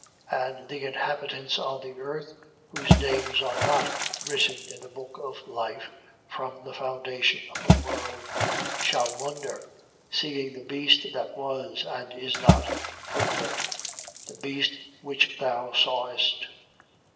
And the inhabitants on the earth (whose names are not written in the book of life from the foundation of the world) shall wonder, seeing the beast that was and is not. The beast which thou sawest.